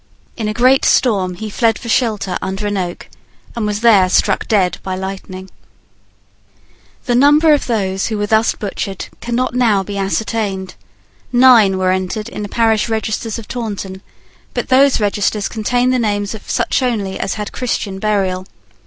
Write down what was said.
In a great storm he fled for shelter under an oak, and was there struck dead by lightning. The number of those who were thus butchered cannot now be ascertained. Nine were entered in the parish registers of Taunton: but those registers contained the names of such only as had Christian burial.